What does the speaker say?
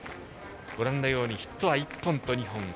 ご覧のようにヒットは１本と２本。